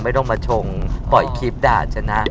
ไม่ต้องมาชงปล่อยคลิปด่าชนะ